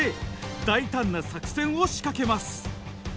大胆な作戦を仕掛けます。